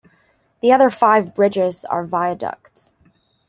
The other five bridges are viaducts.